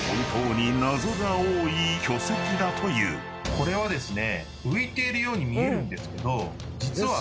これはですね。